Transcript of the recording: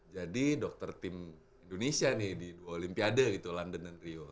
jadi dokter tim indonesia nih di olimpiade gitu london dan rio